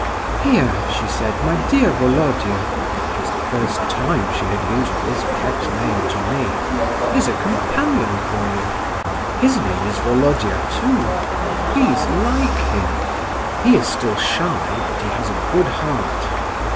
"Here," she said, "my dear Volodya,"—it was the first time she had used this pet name to me—"is a companion for you. His name is Volodya, too. Please, like him; he is still shy, but he has a good heart.